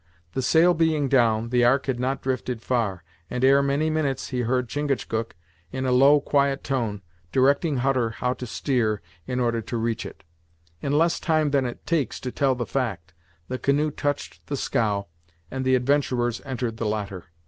The sail being down, the ark had not drifted far; and ere many minutes he heard Chingachgook, in a low, quiet tone, directing Hutter how to steer in order to reach it. In less time than it takes to tell the fact, the canoe touched the scow, and the adventurers entered the latter.